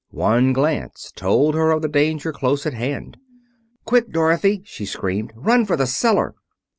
One glance told her of the danger close at hand. "Quick, Dorothy!" she screamed. "Run for the cellar!"